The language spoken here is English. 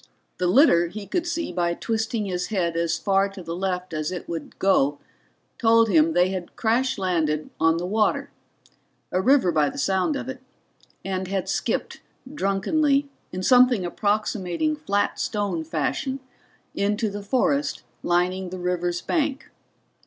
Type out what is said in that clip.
The litter he could see by twisting his head as far to the left as it would go told him they had crash landed on the water a river by the sound of it and had skipped drunkenly, in something approximating flat stone fashion, into the forest lining the river's bank.